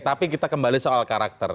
tapi kita kembali soal karakter